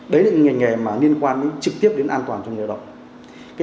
đấy là những ngành nghề liên quan trực tiếp đến an toàn trong giai đoạn